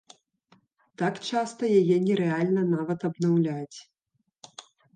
Так часта яе нерэальна нават абнаўляць.